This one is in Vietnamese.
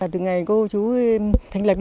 từ ngày cô chú thành lập